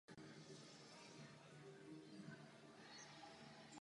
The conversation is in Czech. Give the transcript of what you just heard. Obyvatelstvo je etnicky židovské.